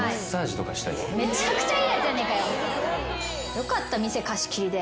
よかった店貸し切りで。